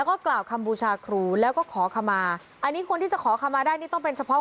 เอาดูดวงก่อนนะ